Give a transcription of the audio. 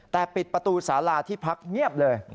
แต่ปิดประตูสาราที่พักเงียบเลย